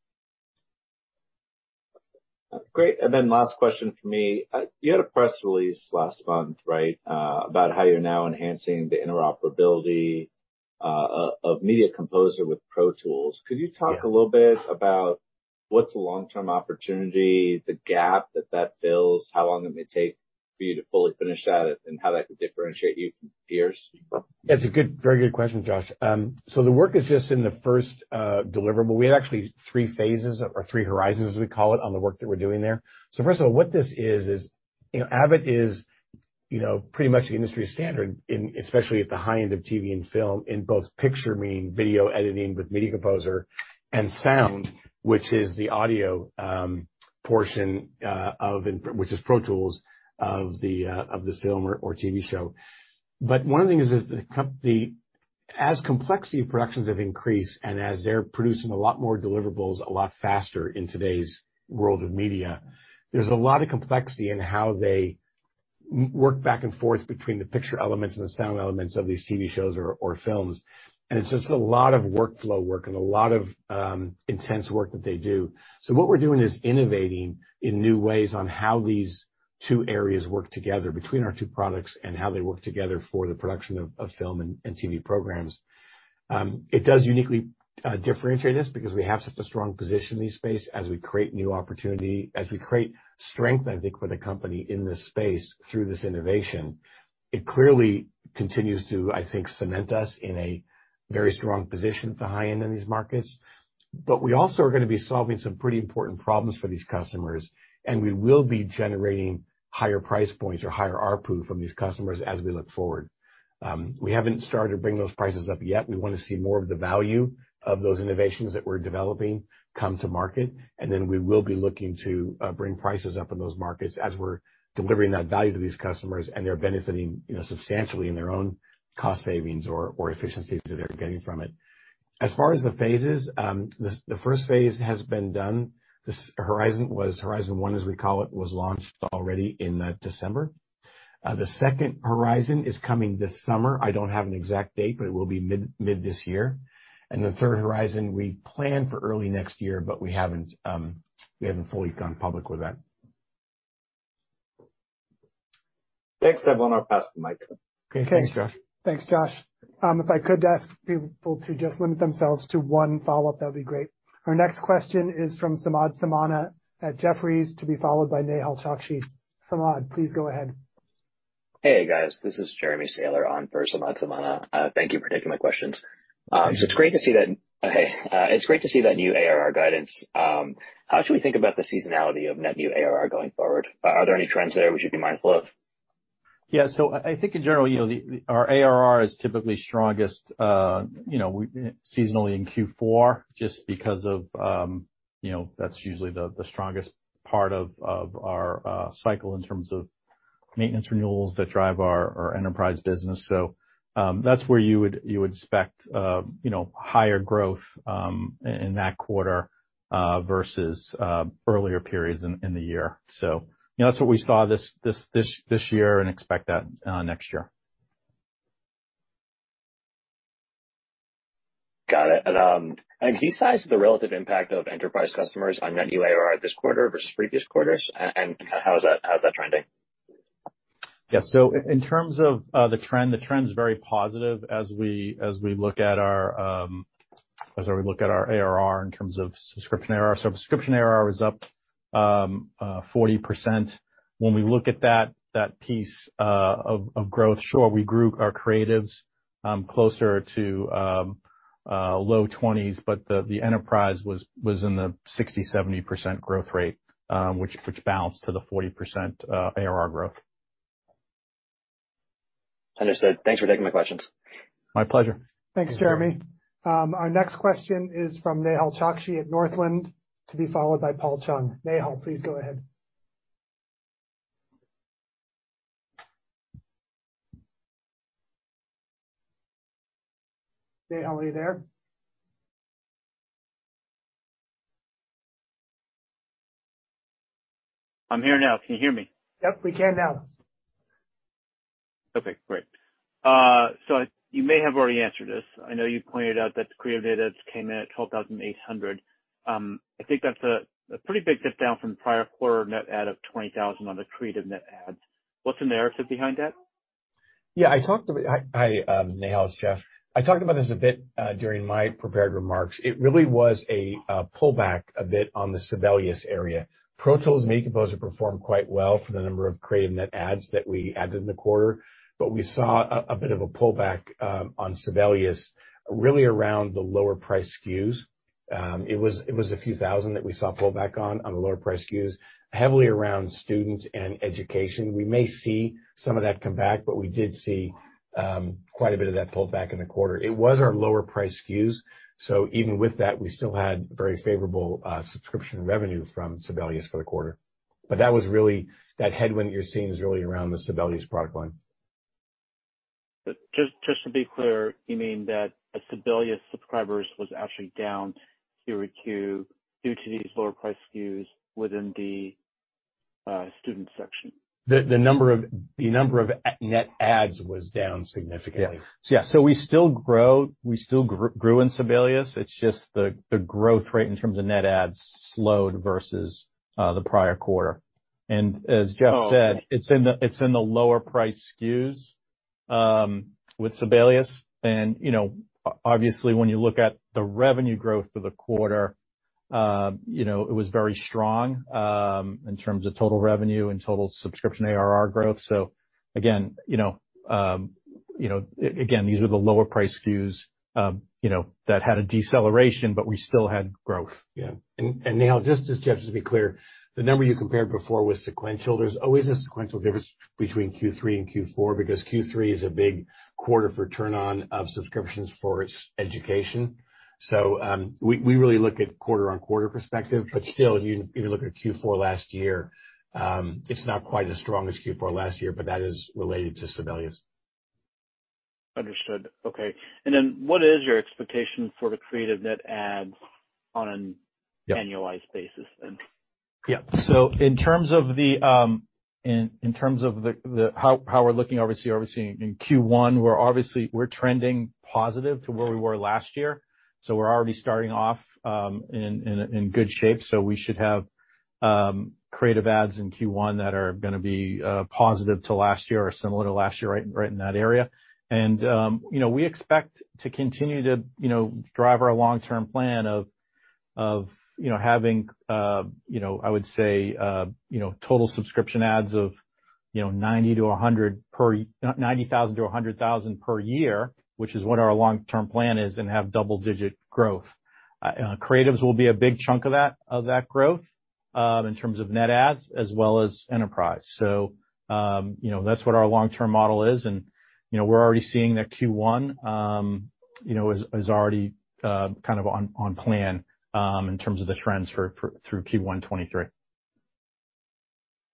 Great. Last question from me. You had a press release last month, right? About how you're now enhancing the interoperability of Media Composer with Pro Tools? Yes. Could you talk a little bit about what's the long-term opportunity, the gap that that fills, how long it may take for you to fully finish that, and how that could differentiate you from peers? That's a good, very good question, Josh. The work is just in the first deliverable. We had actually three phases or 3 horizons, as we call it, on the work that we're doing there. First of all, what this is, you know, Avid is, you know, pretty much the industry standard in, especially at the high end of TV and film, in both picture, meaning video editing with Media Composer, and sound, which is the audio portion of, and which is Pro Tools of the of this film or TV show. One of the things is the comp. As complexity of productions have increased, as they're producing a lot more deliverables a lot faster in today's world of media, there's a lot of complexity in how they work back and forth between the picture elements and the sound elements of these TV shows or films. It's just a lot of workflow work and a lot of intense work that they do. What we're doing is innovating in new ways on how these two areas work together between our two products and how they work together for the production of film and TV programs. It does uniquely differentiate us because we have such a strong position in this space as we create new opportunity, as we create strength, I think, for the company in this space through this innovation. It clearly continues to, I think, cement us in a very strong position at the high end in these markets. We also are gonna be solving some pretty important problems for these customers, and we will be generating higher price points or higher ARPU from these customers as we look forward. We haven't started to bring those prices up yet. We wanna see more of the value of those innovations that we're developing come to market, and then we will be looking to bring prices up in those markets as we're delivering that value to these customers and they're benefiting, you know, substantially in their own cost savings or efficiencies that they're getting from it. As far as the phases, the first phase has been done. This horizon was horizon one, as we call it, was launched already in December. The second horizon is coming this summer. I don't have an exact date, but it will be mid this year. The third horizon we plan for early next year, but we haven't, we haven't fully gone public with that. Next up on our pass the mic. Okay. Thanks, Josh. Thanks, Josh. If I could ask people to just limit themselves to one follow-up, that'd be great. Our next question is from Samad Samana at Jefferies, to be followed by Nehal Chokshi. Samad, please go ahead. Hey, guys. This is Jeremy Sahler on for Samad Samana. Thank you for taking my questions. It's great to see that new ARR guidance. How should we think about the seasonality of net new ARR going forward? Are there any trends there we should be mindful of? I think in general, you know, our ARR is typically strongest, you know, seasonality in Q4 just because of, you know, that's usually the strongest part of our cycle in terms of maintenance renewals that drive our enterprise business. That's where you would expect, you know, higher growth in that quarter versus earlier periods in the year. You know, that's what we saw this year and expect that next year. Got it. Can you size the relative impact of enterprise customers on net new ARR this quarter versus previous quarters, and kinda how is that trending? In terms of the trend's very positive as we look at our ARR in terms of subscription ARR. Subscription ARR is up 40%. When we look at that piece of growth, sure, we grew our creatives closer to low 20s, but the enterprise was in the 60%-70% growth rate, which balanced to the 40% ARR growth. Understood. Thanks for taking my questions. My pleasure. Thanks, Jeremy. Our next question is from Nehal Chokshi at Northland, to be followed by Paul Chung. Nehal, please go ahead. Nehal, are you there? I'm here now. Can you hear me? Yep, we can now. Okay, great. You may have already answered this. I know you pointed out that the creative net adds came in at 12,800. I think that's a pretty big dip down from prior quarter net add of 20,000 on the creative net adds. What's the narrative behind that? Hi. Hi, Nehal. It's Jeff. I talked about this a bit during my prepared remarks. It really was a pullback a bit on the Sibelius area. Pro Tools and Media Composer performed quite well for the number of creative net adds that we added in the quarter. We saw a bit of a pullback on Sibelius really around the lower-priced SKUs. It was a few thousand that we saw pullback on the lower-priced SKUs, heavily around student and education. We may see some of that come back, but we did see quite a bit of that pullback in the quarter. It was our lower-priced SKUs, so even with that, we still had very favorable subscription revenue from Sibelius for the quarter. That was really, that headwind you're seeing is really around the Sibelius product line. Just to be clear, you mean that Sibelius subscribers was actually down Q-over-Q due to these lower-priced SKUs within the student section? The number of a-net adds was down significantly. Yeah. Yeah. We still grow, we still grew in Sibelius. It's just the growth rate in terms of net adds slowed versus the prior quarter. As Jeff said- Oh, okay. It's in the lower-priced SKUs with Sibelius. You know, obviously, when you look at the revenue growth for the quarter, you know, it was very strong in terms of total revenue and total subscription ARR growth. Again, you know, again, these are the lower-priced SKUs, you know, that had a deceleration, but we still had growth. Nehal Chokshi, just as Jeff said, just to be clear, the number you compared before was sequential. There's always a sequential difference between Q3 and Q4 because Q3 is a big quarter for turn on of subscriptions for education. We, we really look at quarter-on-quarter perspective. Still, if you, if you look at Q4 last year, it's not quite as strong as Q4 last year, but that is related to Sibelius. Understood. Okay. Then what is your expectation for the creative net adds on an- Yeah. Annualized basis then? Yeah. In terms of the, in terms of how we're looking, obviously in Q1, we're trending positive to where we were last year, so we're already starting off in good shape. We should have creative adds in Q1 that are gonna be positive to last year or similar to last year, right in that area. You know, we expect to continue to, you know, drive our long-term plan of, you know, having, you know, I would say, you know, total subscription adds of, you know, 90,000 to 100,000 per year, which is what our long-term plan is, and have double-digit growth. Creatives will be a big chunk of that growth, in terms of net adds as well as enterprise. You know, that's what our long-term model is, and, you know, we're already seeing that Q1, you know, is already, kind of on plan, in terms of the trends for through Q1 2023.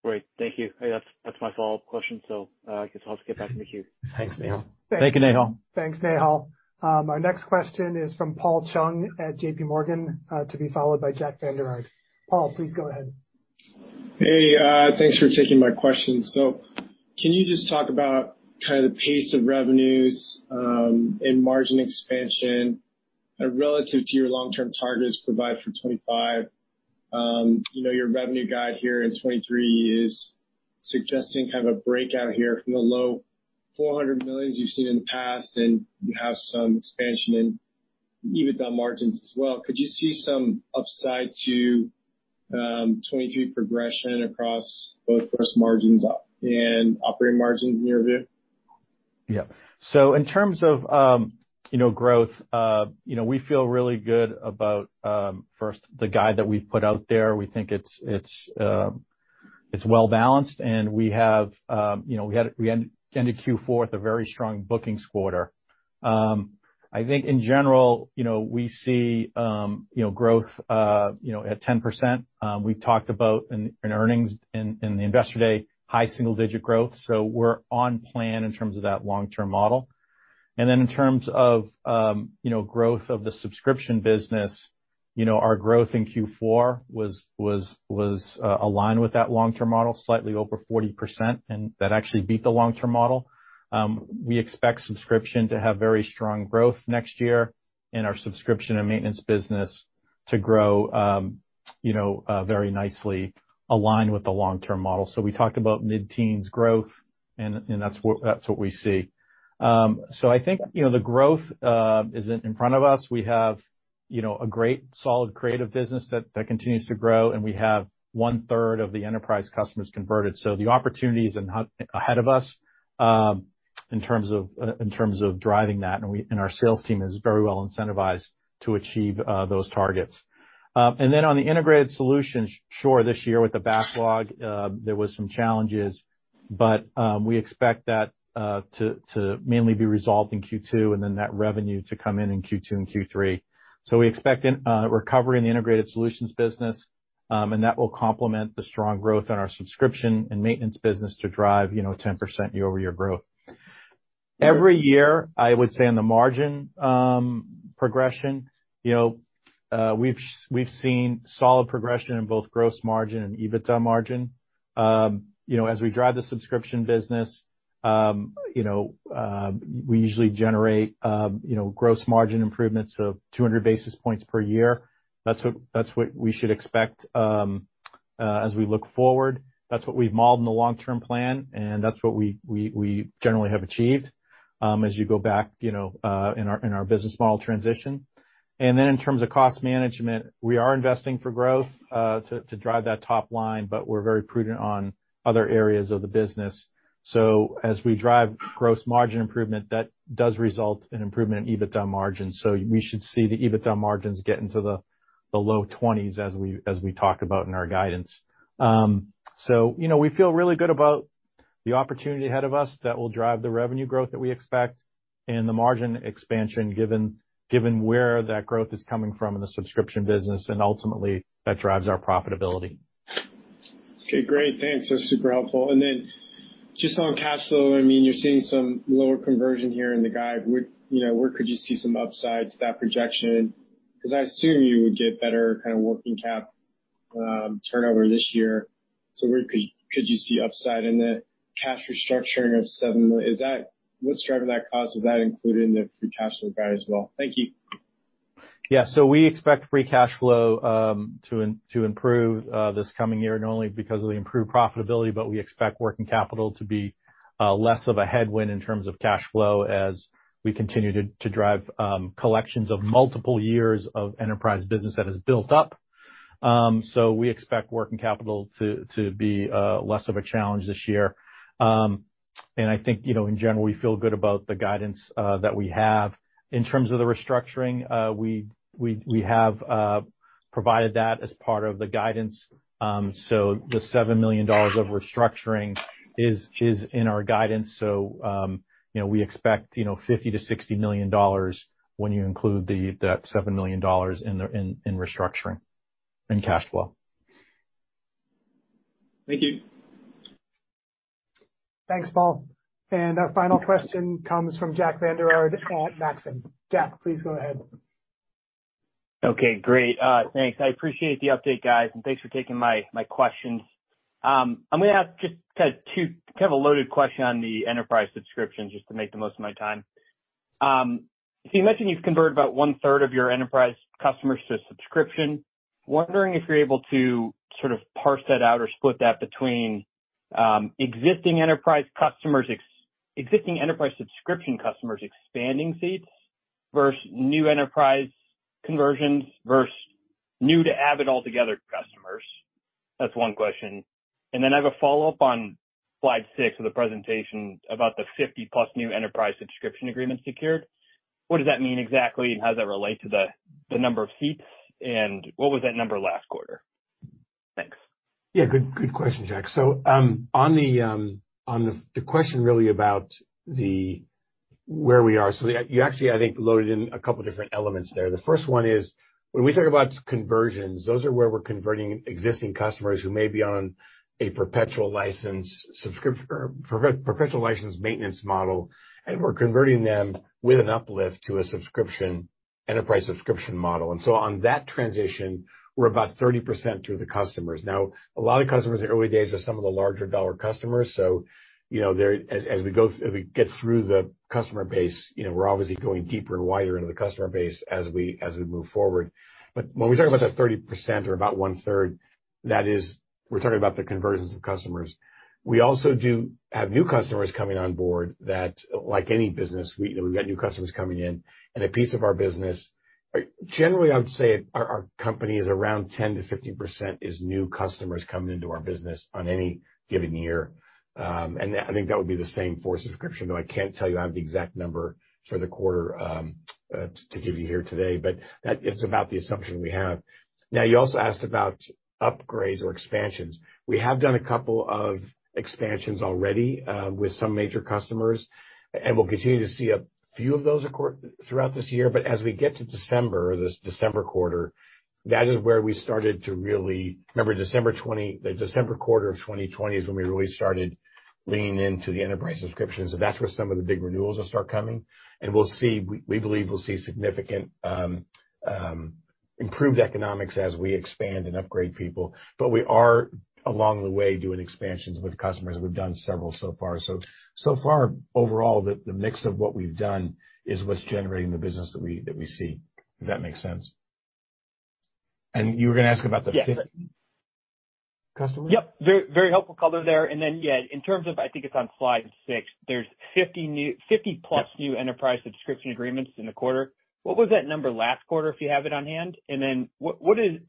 Great. Thank you. That's my follow-up question, so I guess I'll skip back in the queue. Thanks, Nehal. Thank you, Nehal. Thanks, Nehal. Our next question is from Paul Chung at JPMorgan, to be followed by Jack Vander Aarde. Paul, please go ahead. Hey. Thanks for taking my question. Can you just talk about kind of the pace of revenues, and margin expansion? Relative to your long-term targets provide for 25, you know, your revenue guide here in 23 is suggesting kind of a breakout here from the low $400 million, as you've seen in the past, and you have some expansion in EBITDA margins as well. Could you see some upside to 23 progression across both gross margins up and operating margins in your view? Yeah. In terms of, you know, growth, you know, we feel really good about first the guide that we've put out there. We think it's well balanced and we have, you know, we ended Q4 with a very strong bookings quarter. I think in general, you know, we see, you know, growth, you know, at 10%. We talked about in earnings in the Investor Day, high single-digit growth. We're on plan in terms of that long-term model. In terms of, you know, growth of the subscription business, you know, our growth in Q4 was aligned with that long-term model, slightly over 40%, and that actually beat the long-term model. We expect subscription to have very strong growth next year in our subscription and maintenance business to grow, you know, very nicely aligned with the long-term model. We talked about mid-teens growth and that's what we see. I think, you know, the growth is in front of us. We have, you know, a great solid creative business that continues to grow, and we have one-third of the enterprise customers converted. The opportunity is ahead of us, in terms of driving that. Our sales team is very well incentivized to achieve those targets. On the integrated solutions, sure, this year with the backlog, there was some challenges. We expect that to mainly be resolved in Q2 and that revenue to come in in Q2 and Q3. We expect an recovery in the integrated solutions business, and that will complement the strong growth in our subscription and maintenance business to drive, you know, 10% year-over-year growth. Every year, I would say in the margin progression, you know, we've seen solid progression in both gross margin and EBITDA margin. You know, as we drive the subscription business, you know, we usually generate, you know, gross margin improvements of 200 basis points per year. That's what we should expect as we look forward. That's what we've modeled in the long-term plan, that's what we generally have achieved, you know, in our business model transition. In terms of cost management, we are investing for growth to drive that top line, but we're very prudent on other areas of the business. As we drive gross margin improvement, that does result in improvement in EBITDA margins. We should see the EBITDA margins get into the low 20s as we talked about in our guidance. You know, we feel really good about the opportunity ahead of us that will drive the revenue growth that we expect and the margin expansion given where that growth is coming from in the subscription business, and ultimately that drives our profitability. Okay, great. Thanks. That's super helpful. Just on cash flow, I mean, you're seeing some lower conversion here in the guide. Where, you know, where could you see some upside to that projection? 'Cause I assume you would get better kind of working cap turnover this year. Where could you see upside in the cash restructuring of $7 million? What's driving that cost? Is that included in the free cash flow guide as well? Thank you. Yeah. We expect free cash flow to improve this coming year, not only because of the improved profitability, but we expect working capital to be less of a headwind in terms of cash flow as we continue to drive collections of multiple years of enterprise business that has built up. We expect working capital to be less of a challenge this year. I think, you know, in general, we feel good about the guidance that we have. In terms of the restructuring, we have provided that as part of the guidance. The $7 million of restructuring is in our guidance. you know, we expect, you know, $50 million-$60 million when you include that $7 million in restructuring and cash flow. Thank you. Thanks, Paul. Our final question comes from Jack Vander Aarde at Maxim. Jack, please go ahead. Okay, great. Thanks. I appreciate the update, guys, and thanks for taking my questions. I'm gonna ask just kind of a loaded question on the enterprise subscription just to make the most of my time. You mentioned you've converted about 1/3 of your enterprise customers to subscription. Wondering if you're able to sort of parse that out or split that between, existing enterprise customers existing enterprise subscription customers expanding seats versus new enterprise conversions versus new to Avid altogether customers? That's one question. I have a follow-up on slide six of the presentation about the 50+ new enterprise subscription agreements secured. What does that mean exactly and how does that relate to the number of seats, and what was that number last quarter? Thanks. Yeah, good question, Jack. On the question really about. Where we are. You actually, I think, loaded in a couple different elements there. The first one is when we talk about conversions, those are where we're converting existing customers who may be on a perpetual license perpetual license maintenance model, and we're converting them with an uplift to a subscription, enterprise subscription model. On that transition, we're about 30% through the customers. A lot of customers in the early days are some of the larger dollar customers, so you know, as we go, as we get through the customer base, you know, we're obviously going deeper and wider into the customer base as we, as we move forward. When we talk about that 30% or about one-third, that is, we're talking about the conversions of customers. We also do have new customers coming on board that like any business, we got new customers coming in, and a piece of our business. Generally, I would say our company is around 10%-15% is new customers coming into our business on any given year. I think that would be the same for subscription, though I can't tell you I have the exact number for the quarter to give you here today, but that it's about the assumption we have. Now you also asked about upgrades or expansions. We have done a couple of expansions already with some major customers, and we'll continue to see a few of those occur throughout this year. As we get to December, this December quarter, that is where we started to really... Remember December 2020, the December quarter of 2020 is when we really started leaning into the enterprise subscriptions. That's where some of the big renewals will start coming. We'll see, we believe we'll see significant improved economics as we expand and upgrade people. We are along the way, doing expansions with customers. We've done several so far. So far overall, the mix of what we've done is what's generating the business that we see, if that makes sense. You were gonna ask about. Yes. 50 customers? Yep. Very, very helpful color there. Yeah, in terms of, I think it's on slide six, there's 50+ new enterprise subscription agreements in the quarter. What was that number last quarter, if you have it on hand? What is...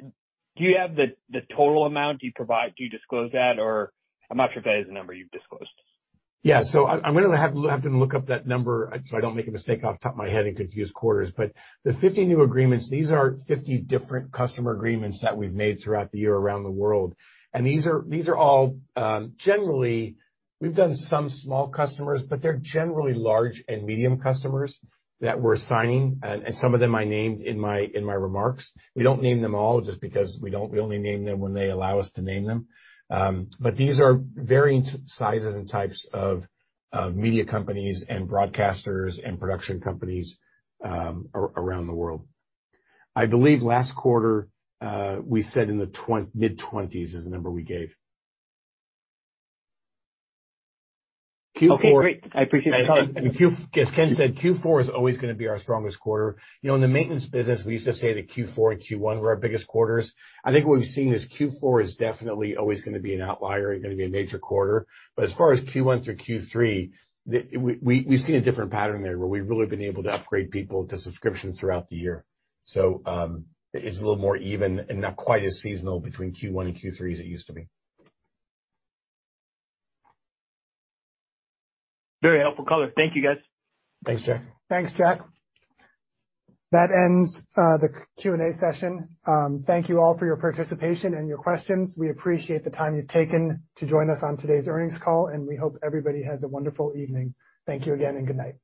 Do you have the total amount? Do you disclose that or... I'm not sure if that is a number you've disclosed. I'm gonna have to look up that number so I don't make a mistake off the top of my head and confuse quarters. The 50 new agreements, these are 50 different customer agreements that we've made throughout the year around the world. These are all generally, we've done some small customers, but they're generally large and medium customers that we're signing. Some of them I named in my remarks. We don't name them all just because we only name them when they allow us to name them. These are varying sizes and types of media companies and broadcasters and production companies around the world. I believe last quarter, we said in the mid-20s is the number we gave. Q4- Okay, great. I appreciate the color. As Ken said, Q4 is always going to be our strongest quarter. You know, in the maintenance business, we used to say that Q4 and Q1 were our biggest quarters. I think what we've seen is Q4 is definitely always going to be an outlier and going to be a major quarter. As far as Q1 through Q3, we've seen a different pattern there, where we've really been able to upgrade people to subscriptions throughout the year. It's a little more even and not quite as seasonal between Q1 and Q3 as it used to be. Very helpful color. Thank you, guys. Thanks, Jack. Thanks, Jack. That ends the Q&A session. Thank you all for your participation and your questions. We appreciate the time you've taken to join us on today's earnings call, and we hope everybody has a wonderful evening. Thank you again, and good night.